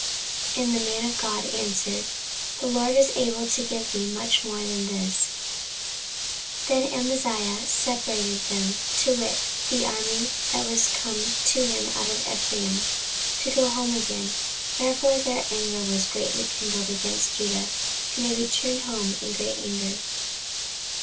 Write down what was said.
And the man of God answered, The LORD is able to give thee much more than this. 14:025:010 Then Amaziah separated them, to wit, the army that was come to him out of Ephraim, to go home again: wherefore their anger was greatly kindled against Judah, and they returned home in great anger.